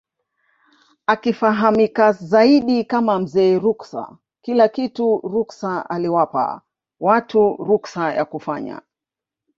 Akifahamika zaidi kama Mzee Ruksa Kila kitu ruksa aliwapa watu ruksa ya kufanya